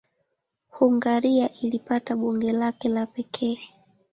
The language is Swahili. Hungaria ilipata bunge lake la pekee.